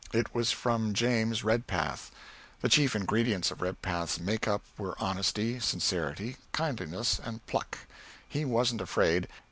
It was from James Redpath. The chief ingredients of Redpath's make up were honesty, sincerity, kindliness, and pluck. He wasn't afraid.